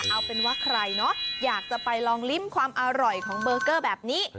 เอาเป็นว่าใครเนาะอยากจะไปลองลิ้มความอร่อยของเบอร์เกอร์แบบนี้